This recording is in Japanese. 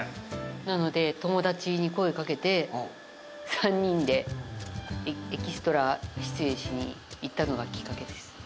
なので友達に声掛けて３人でエキストラ出演しに行ったのがきっかけです。